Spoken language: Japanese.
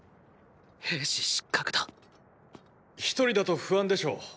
兵士失格だ一人だと不安でしょう